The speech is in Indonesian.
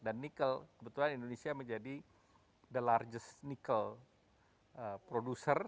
dan nikel kebetulan indonesia menjadi the largest nikel producer